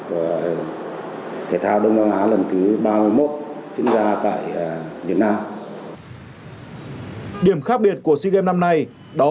và thể thao đông đông á lần thứ ba mươi một diễn ra tại việt nam điểm khác biệt của sea games năm nay đó